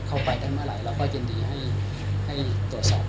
เข้าไปได้เมื่อไหร่เราก็กินดีให้ให้ตรวจสอบได้ครับ